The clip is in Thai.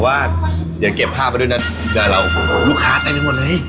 ว่าเดี๋ยวเก็บผ้ามาด้วยนะได้เราลูกค้าแต่นึงหมดเลย